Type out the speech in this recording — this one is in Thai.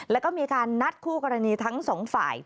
แล้วก็มีการนัดคู่กรณีทั้งสองฝ่าย